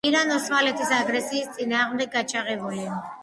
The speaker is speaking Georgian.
ირან-ოსმალეთის აგრესიის წინააღმდეგ გაჩაღებული